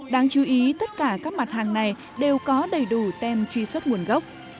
đáng chú ý tất cả các mặt hàng này đều có đầy đủ tem truy xuất nguồn gốc